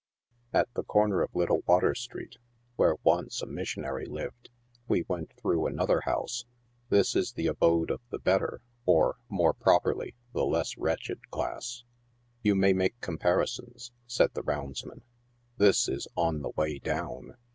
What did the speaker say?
At the corner of Little Water street, where once a missionary liv ed, we went through another house ; this is the abode of the bet ter, or, more properly, the less wretched class. " You may make comparisons," said the roundsman. " This is on the way down